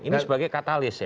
ini sebagai katalis ya